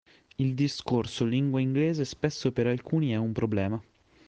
Il discorso lingua inglese spesso per alcuni è un problema.